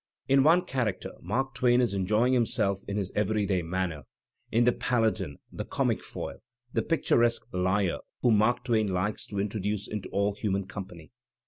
In one character Mark Twain is enjoying himself in his everyday manner — in the Paladin, the comic foil, the picturesque liar whom Mark Twain likes to introduce into all human company.